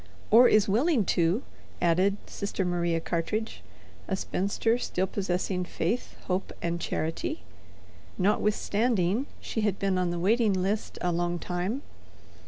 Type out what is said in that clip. "Or is willing to," added Sister Maria Cartridge, a spinster still possessing faith, hope, and charity, notwithstanding she had been on the waiting list a long time.